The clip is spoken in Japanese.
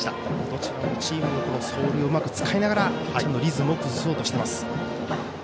どちらのチームも走塁をうまく使いながらピッチャーのリズムを崩そうとしています。